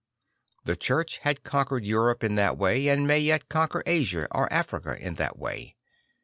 The Church had conquered Europe in that way and may yet conquer Asia or Africa in that way.